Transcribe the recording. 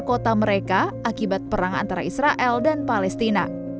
kota mereka akibat perang antara israel dan palestina